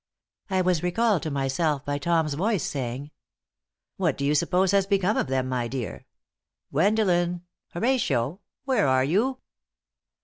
I was recalled to myself by Tom's voice saying: "What do you suppose has become of them, my dear? Gwendolen! Horatio! Where are you?"